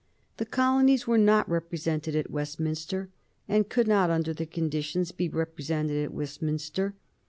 The colonies were not represented at Westminster could not, under the conditions, be represented at Westminster.